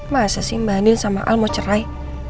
masa sih ngema andin sama al mau cerai